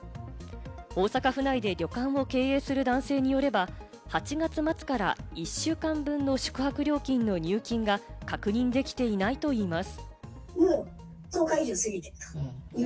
大阪府内で旅館を経営する男性によれば、８月末から１週間分の宿泊料金の入金が確認できていないといいます。